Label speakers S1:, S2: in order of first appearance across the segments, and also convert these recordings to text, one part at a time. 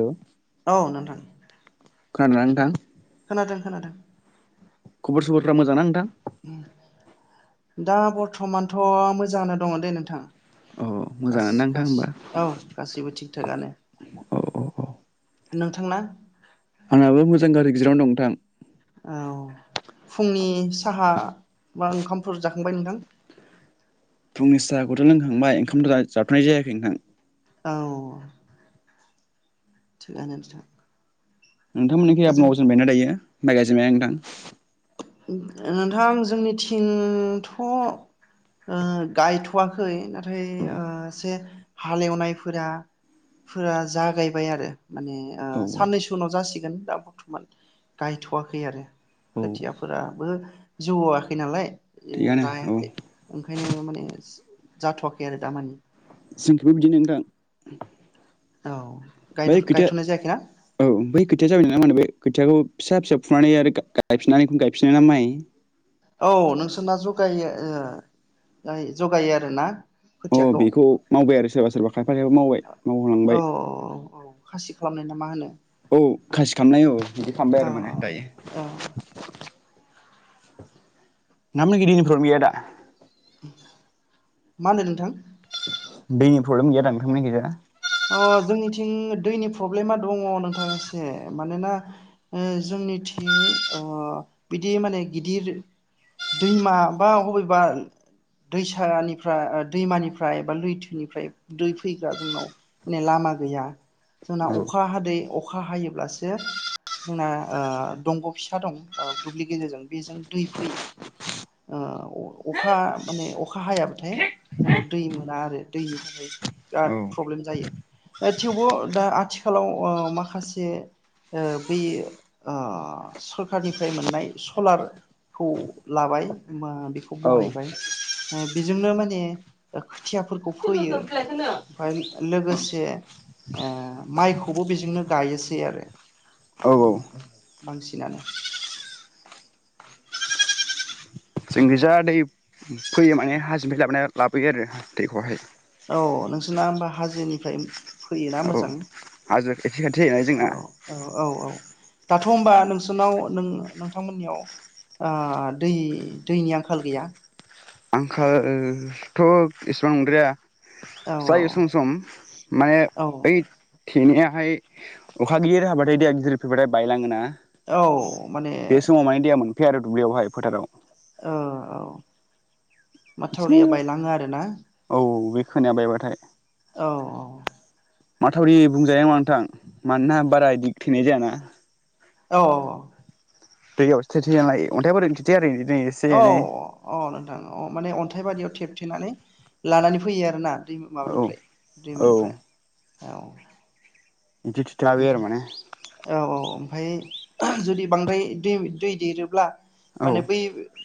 S1: औ
S2: औ नोंथां
S1: खानादोंना नोंथां
S2: खोनादों खोनादों
S1: खबर सबरफ्रा मोजां ना नोंथां
S2: दा बर्थमानथ' मोजाङानो दङ दे नोंथां
S1: अ मोजाङानो ना नोंथां होमबा
S2: [unintelligible] औ गासैबो थिग थाकानो
S1: औ
S2: नोंथांना
S1: आंहाबो मोजां गारि गेजेरावनो दं नोंथां
S2: औ फुंनि साहा बा ओंखामफोर जाखांबाय नोंथां
S1: फुंनि साखौ ज' लोंखांबाय ओंखाम‌ जाथनाय जायाखै [inaudible]
S2: औ [unintelligible]
S1: नोंथांमोननिखै
S2: दा
S1: आब
S2: जों
S1: मावजेनबायना दायो माय गायजोबाय नोंथां
S2: नोंथां जोंनिथिंथ' गायथ'वाखै नाथाय एसे हालेवनायफोरा फोरा जागायबाय आरो माने
S1: औ औ
S2: साननैसो उनाव जासिगोन दा बर्थमान गायथ'वाखै आरो
S1: औ
S2: खोथियाफोराबो जौवाखै नालाय
S1: थिगानो औ
S2: रायाखै ओंखायनो माने जाथ'वाखै आरो दामानि
S1: जोंखैबो बिदि नोंथां
S2: औ
S1: बै खोथिया
S2: गायथ'नाय जायाखैना
S1: औ बै खोथिया जाबाय ना मानो बे खोथियाखौ फिसा फिसा फुनानै आरो गायफिनानै गायफिनो ना माइ
S2: औ नोंसोरना जगायो ओ जगायो आरोना
S1: अ
S2: खोथियाखौ
S1: बेखौ मावबाय आरो सोरबा सोरबा खायफा खायफा मावबाय
S2: औ
S1: मावहोलांबाय
S2: औ खासि खालामनाय ना मा होनो
S1: औ खासि खामनाय औ बिदि फामबाय
S2: औ
S1: आरो माने दायो
S2: औ
S1: [unintelligible]
S2: मा होनदो नोंथां?
S1: दैनि प्रब्लेम गैया दा नोंथां मोननिजा?
S2: अ जोंनिथिं दैनि प्रब्लेमा दङ नोंथां एसे मानोना ओ जोंनिथिं ओ बिदि माने गिदिर दैमा बा अबेबा दैसानिफ्राय ओ दैमानिफ्राय बा लैथोनिफ्राय दै फैग्रा जोंनाव माने लामा गैया। जोंना
S1: औ
S2: अखा हादै अख अखा हायोब्लासो जोंना ओ दंग' फिसा दं ओ दुब्लि गेजेरजों बेजों दै फोयो। ओ अखा माने अखा हायाबाथाय जोंनाव दै मोना आरो दैनि थाखाय
S1: औ
S2: बिराद प्रब्लेम जायो। ओ थेवबो दा आथिखालाव ओ माखासे ओ बै आ सरखारनिफ्राय मोननाय सलारखौ लाबाय मा बेखौ
S1: औ
S2: बहायबाय ओ बेजोंनो माने खोथियाफोरखौ फोयो ओमफ्राय लोगोसे दे ओ माइखौबो बेजोंनो गायोसै आरो
S1: औ
S2: माने बांसिनानो।
S1: जोंखिजा दै फैयो माने हाजोनिफ्राय लाबोनायर लाबोयो आरो दैेख'हाय
S2: औ नोंसोरना होमबा हाजोनिफ्राय फैयोना
S1: औ
S2: मोजां
S1: हाजो खाथि खाथि जायोना जोंना
S2: औ औ औ औ दाथ' होमबा नोंसोनाव नों नोंथांमोननियाव ओ दै दैनि आंखाल गैया?
S1: आंखाल थ' इसिबां नंद्राया
S2: औ
S1: जायो सम सम माने
S2: औ
S1: ओइ थेनिया हाय अखा गिदिर हाबाथाय दैया गिदिर फैबाथाय बायलाङोना?
S2: औ माने
S1: फे आरो दुब्लियावहाय फोथाराव
S2: ओ औ
S1: बिदिनो
S2: माथावरिया बायलाङो आरो ना
S1: औ बे खोनाया बायबाथाय
S2: औ औ
S1: माथावरि बुंजायामा नोंथां मानोना बारा दिग थैनाय जायाना।
S2: औ औ औ
S1: दैयावसो थे थेना लायो अन्थाइ बोरैनो थेथेया आरो बिदिनो एसे
S2: औ
S1: एनै
S2: अ नोंथां अ माने अन्थाइबारियाव थि खेबथेनानै लानानै फैयो आरोना दै
S1: औ
S2: माबानिफ्राय
S1: औ
S2: दैमानिफ्राय। औ
S1: बिदि थेथाबाय आरो
S2: ओमफा
S1: माने
S2: औ औ ओमफ्राय [unintelligible] जुदि बांद्राय दै दै देरोब्ला
S1: औ
S2: माने बै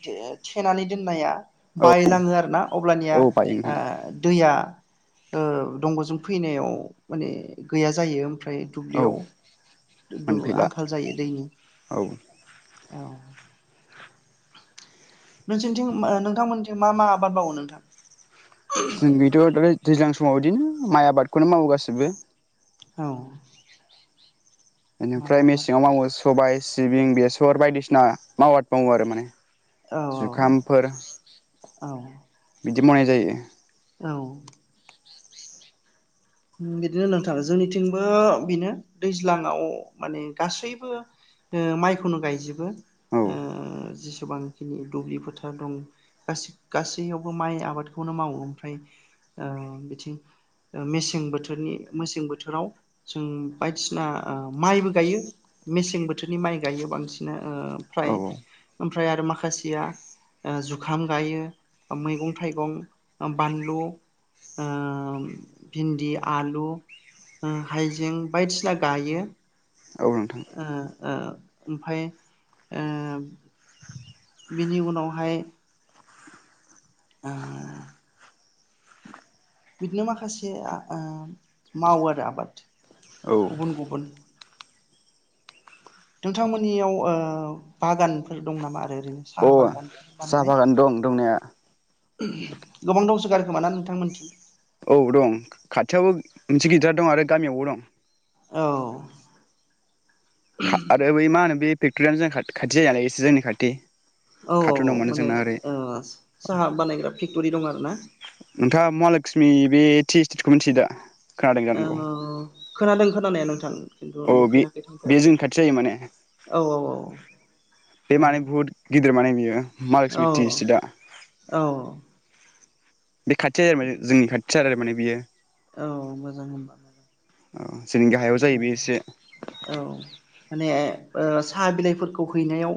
S2: थे-थेनानै दोननाया
S1: औ
S2: बायलाङो आरो ना अब्लानिया
S1: औ बायो नोंथां
S2: ओ दैया ओ दंग'जों फैनायाव माने गैया जायो ओमफ्राय
S1: औ
S2: दुब्लियाव दु-दु
S1: मोनफैला
S2: आंखाल जायो दैनि।
S1: औ
S2: औ नोंसोरनिथिं नोंथांमोनथि मा मा आबाद मावो नोंथां?
S1: जों बेथ' द दैज्लां समाव बिदिनो माइ आबादखौनो मावो गासैबो
S2: औ माइ
S1: बेनिफ्राय
S2: आबाद
S1: मेसेङाव मावो सबाया सिबिं बेसर बायदिसिना माव आद मावो आरो माने
S2: औ औ
S1: जुखामफोर
S2: औ औ
S1: बिदि मावनाय जायो
S2: औ बिदिनो नोंथाङा जोंनिथिंबो बेनो दैज्लाङाव माने गासैबो ओ माइखौनो गायजोबो
S1: औ
S2: ओ जेसेबांखिनि दुब्लि फोथार दं गासै गासैयावबो माइ आबादखौनो मावो ओमफ्राय ओ बिथिं मेसें मेसें बोथोरनि मेसें बोथोराव जों बायदिसिना माइबो गायो मेसें बोथोरनि माइ गायो बांसिन ओ
S1: औ
S2: फ्राय ओमफ्राय आरो माखासेया जुखाम गायो मैगं थाइगं ओ बानलु ओ भिन्दि आलु ओ हायजें हो बायदिसिना गायो
S1: औ नोंथां
S2: ओ ओ ओमफाय ओ बिनि उनावहाय ओ बिदिनो माखासे ओ मावो आरो आबाद
S1: औ
S2: गुबुन गुबुन नोंथांमोननियाव ओ बागानफोर दं नामा आरो ओरैनो
S1: अ
S2: साहा बागान
S1: साहा बागान दं दंनाया
S2: गोबां दंसो गारोखोमा ना नोंथांमोनथिं
S1: औ दं खाथियावबो मोनसे गिदिर दं आरो गामियावबो दं
S2: औ
S1: आरो बै मा होनो बे फेक्ट'रियानो जोंनि खाथि जायो एसे जोंनि खाथि
S2: औ औ
S1: कार्टुनाव मोनो
S2: माने
S1: जोंना ओरै
S2: ओ साहा बानायग्रा फेक्ट'रि दं आरोना
S1: नोंथाङा महा लक्समि बे टि स्टेटखौ मिथियो दा? खोनादों
S2: औ
S1: जानांगौ
S2: खोनादों खोनानाया नोंथां खिन्थु
S1: औ बे
S2: नुफेराखै
S1: बे
S2: थांफेराखै
S1: जोंनि खाथि जायो माने
S2: औ औ औ
S1: बे माने बुहुत गिदिर माने बियो महा लक्समि
S2: औ
S1: टि स्टेट
S2: औ औ
S1: बे खाथिया [inaudible] जोंनि खाथियाथार आरो माने बियो
S2: औ मोजां
S1: औ जोंनि गाहायाव
S2: औ
S1: जायो बे एसे
S2: ओ‌ साहा बिलाइफोरखौ हैनायाव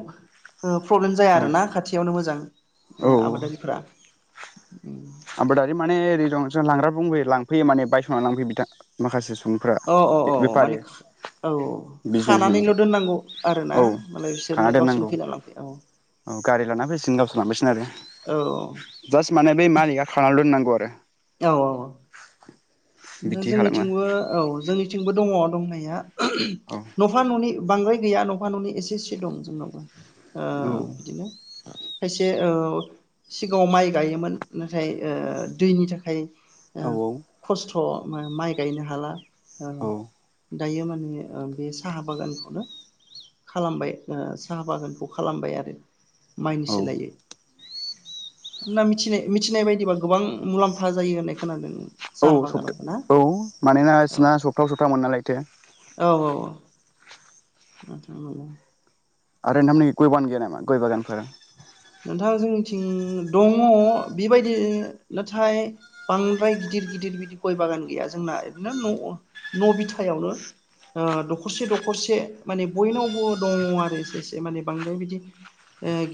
S2: ओ प्रब्लेम जाया
S1: औ
S2: आरो ना खाथियावनो मोजां
S1: औ
S2: आबादारिफोरा [inaudible]
S1: आबादारि माने ओरै दं लांग्रा बुबोयो लांफैयो माने बायस'ना लांफैयो बिथां माखासे सुबुंफ्रा
S2: अ अ अ
S1: बेफारि
S2: माने औ
S1: बिजनेसमेनफ्रा
S2: खानानैल' दोननांगौ आरोना
S1: औ
S2: मालाय
S1: खाना
S2: बिसोरनो
S1: दोननांगौ
S2: गावसोरनो फैनानै लांफैयो औ
S1: औ गारि लाना फैसिगोन गावसोर लांफैसिगोन आरो
S2: औ
S1: बे मालिकआ खानाल दोननांगौ आरो
S2: औ औ
S1: [inaudible]
S2: ओमफाय
S1: बिदि खालामो
S2: जोंनिथिंबो औ जोंनि थिंबो दङ दंनाया
S1: औ
S2: न'फा न'नै बांद्राय गैया न'फा न'नै एसे एसे दं जोंनाव
S1: औ
S2: बिदिनो खायसे सिगाङाव माइ गायोमोन नाथाय दैनि थाखाय
S1: औ
S2: खस्थ' माइ गायनो हाला औ दायो माने ओ बे साहा बागानखौनो खालामबाय ओ साहा बागानखौ खालामबाय आरो माइनि सोलायै मिथिनाय मिथिनाय बायदिबा गोबां मुलाम्फा जायो होननाय खोनादों
S1: औ
S2: साहा बागानाव ना
S1: सफता औ मानोना
S2: औ
S1: बिसिना सब्थायाव सब्था मोनो नालायथो
S2: औ [unintelligible]
S1: आरो नोंथांमोननिखै गयबागान गैया नामा गय बागानफोर
S2: नोंथाङा जोंनिथिं दङ बेबायदि नाथाय बांद्राय गिदिर गिदिर बिदि गय बागान गैया जोंना ओरैनो न' न' बिथायावनो दखरसे दखरसे माने बयनावबो दङ आरो एसे एसे माने बांद्राय बिदि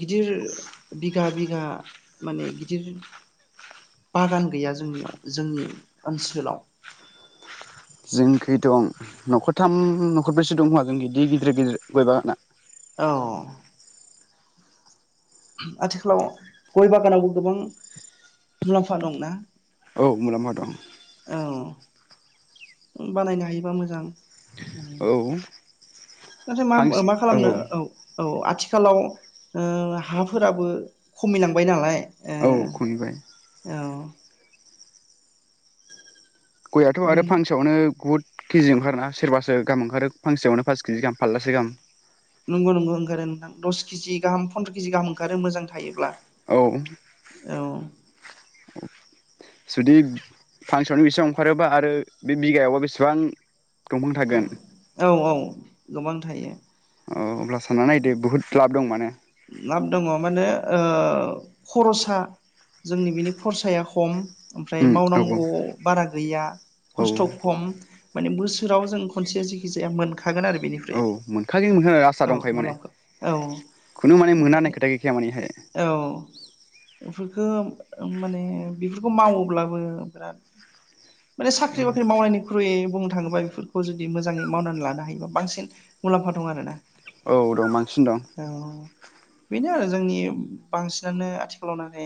S2: गिदिर बिघा बिघा माने गिदिर बागान गैया जोंनियाव जोंनि ओनसोलाव
S1: जोंखै दं न'खरथाम न'खरब्रैसो दंखोमा जोंखै इदि गिदिर गिदिर गिदिर गय बागाना
S2: औ आथिखालाव गय बागानावबो गोबां मुलाम्फा दंना
S1: औ मुलाम्फा दं
S2: औ बानायनो हायोबा मोजां
S1: औ
S2: नाथाय मा खालामनो औ औ औ आथिखालाव ओ हाफोराबो खमिलांबाय नालाय
S1: औ खमिबाय
S2: ओ औ
S1: गयआथ' आरो फांसेआवनो बुहुद केजि ओंखारोना सोरबासो गाहाम ओंखारो फांसेयावनो फास केजि गाहाम फारलासे गाहाम
S2: नंगौ नंगौ ओंखारो नोंथां दस केजि गाहाम फन्द्र' केजि गाहाम ओंखारो मोजां थायोब्ला
S1: औ
S2: औ
S1: जुदि फांसन ओंखारोबा आरो बे बिगायावबा बेसेबां दंफां थागोन
S2: औ औ गोबां थायो
S1: औ अब्ला साननानै नायदो बुहुत लाब दं माने
S2: लाब दङ माने ओ खरसा जोंनि बिनि खरसाया खम ओमफ्राय
S1: उम औ
S2: मावनांगौ बारा गैया
S1: औ
S2: खस्थ खम माने बोसोराव जों खनसे जेखि जाया मोनख हागोन आरो बेनिफ्राय
S1: औ मोनखागोन मोनखागोन आसा
S2: औ मुलामफा औ
S1: ने मोनना होननाय
S2: ओंखायनो
S1: खोथा गैखाया मानेहाय
S2: औ बेफोरखो माने बेफोरखौ मावोब्लाबो बिराद माने साख्रि
S1: औ
S2: बाख्रि मावनायनिख्रुय बुंनो थाङोबा बेफोरखौ जुदि मोजाङै मावनानै लानो हायोबा बांसिन मुलाम्फा दं आरो ना
S1: औ दं बांसिन दं
S2: बेनो आरो जोंनि बांसिनानो आथिखालाव माने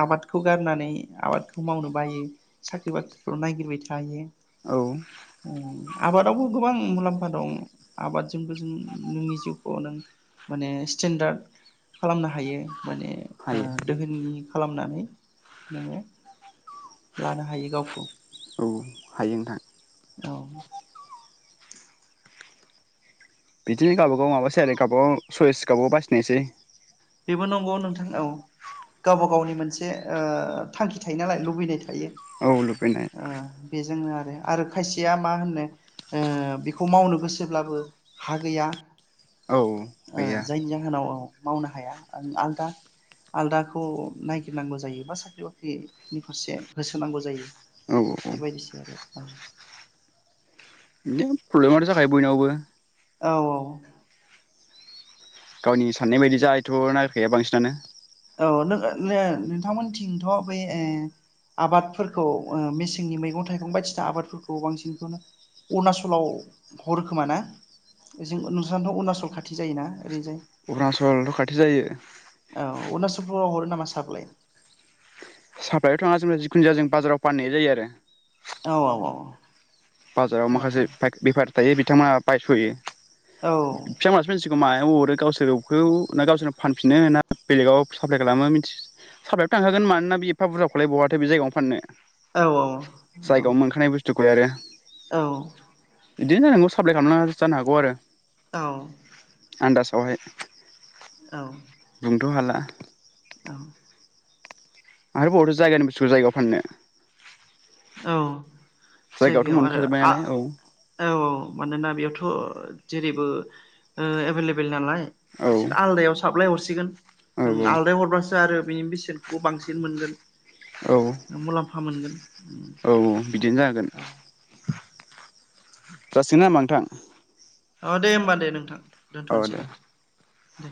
S2: आबादखौ गारनानै आबादखौ मावनो बायो साख्रि बाख्रिखौल नायगिरबाय थायो
S1: औ
S2: उम आबादावबो गोबां मुलाम्फा दं आबादजोंबो जों नोंनि जिउखौ नों माने स्टेेनडार्ड खालामनो हायो माने ओ
S1: हायो
S2: दोहोनि खालामनानै नोङो लानो हायो गावखौ
S1: औ हायो नोंथां
S2: औ
S1: बिदिनो गावबा गाव माबासै आरो गाबाव सयस गाबाव बासिनायसै
S2: बेबो नंगौ नोंथां औ गावब गावनि मोनसे ओ थांखि थायो नालाय लुबैनाय थायो
S1: औ लुबैनाय
S2: ओ बेजोंनो आरो आरो खायसेया मा होनो ओ बेखौ मावनो गोसोब्लाबो हा गैया
S1: औ
S2: ओ
S1: गैया
S2: जायनि जाहोनाव मावनो ह हाया आलदा-आलदाखौ नायगिरनांगौ जायो बा साख्रि बाख्रिनि फारसे होसोनांगौ जायो
S1: औ औ
S2: बेबायदिसो आरो
S1: बिदिनो प्रब्लेमाथ जाखायो बयनियावबो
S2: औ औ
S1: गावनि साननाय बायदि जायथ नागिरखाया बांसिनानो
S2: औ नों नों नोंथांमोनथिंथ बै ओ आबादफोरखौ मेसेंनि मैगं थाइगं बायदिसिना आबादफोरखौ बांसिनखौनो अरुणाचलाव हरोखोमा न ओजों नोंसोरनाथ अरुणाचल खाथि जायोना ओरैनोजाय
S1: अरुणाचलथ खाथि जायो
S2: चलाव हरो नामा सापलाय
S1: साफायाव थांया जिखुनु जाया जों बाजाराव फाननाय जायो आरो
S2: औ औ औ
S1: बाजाराव माखासे पाय बेफार दायो बिथाङा बायसयो
S2: औ
S1: म [unintelligible] खौ मायाव हरो गावसोरखौ ना गावसोरनो फानफिनो ना बेलेगाव साफ्लाय खालामो मिथि साप्लाायथ थांखागोन मानोना बे एफा बुरजाखौलाय बहाथो बे जायगायावनो फाननो
S2: औ औ
S1: थुखलाय आरो
S2: औ
S1: बिदिनो जानांगौ साप्लाय खालामना जानो हागौ आरो।
S2: औ
S1: आनदासाव हाय
S2: औ
S1: बुंनोथ हाला
S2: औ
S1: आरो बहाथो जायगानि बेसुथुखौ जायगायाव फाननो
S2: औ
S1: जायगायावथ'
S2: जायगायाव आरो
S1: मोनखाजोब्बाय
S2: आ
S1: नालाय औ
S2: औ मानोना बेयावथ' जेरैबो ओ एभेललेबेल नालाय
S1: औ
S2: बिसोर आलदायाव साबलाय हरसिग सिगोन ओं
S1: औ
S2: आलदायाव हरबासो आरो बिनि बेसेनखौबो बांसिन मोनगोन।
S1: औ
S2: मुलाम्फा मोनगोन
S1: औ बिदिनो जागोन।
S2: औ
S1: जासिगोन ना होमबा नोंथां
S2: अ दे होनोमबा दे नोंथां। दोनथ'नोसै दे। दे